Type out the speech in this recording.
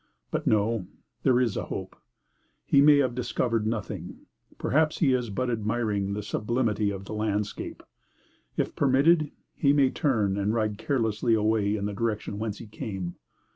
But no there is a hope; he may have discovered nothing; perhaps he is but admiring the sublimity of the landscape. If permitted, he may turn and ride carelessly away in the direction whence he came.